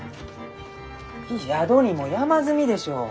宿にも山積みでしょう？